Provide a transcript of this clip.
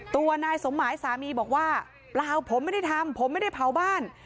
ตัวนายสมหมายสามีบอกว่าเปล่าผมไม่ได้ทำผมไม่ได้เผาบ้าน